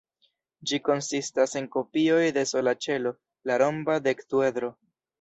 Ĝi konsistas de kopioj de sola ĉelo, la romba dekduedro.